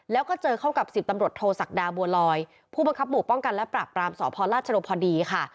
แล้วก็เจอเข้ากับ๑๐ตำรวจโทษศักดาบัวลอยผู้บังคับหมู่ป้องกันและปราบปรามสพราชรพดีค่ะ